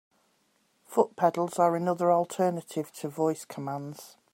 Foot pedals are another alternative to voice commands.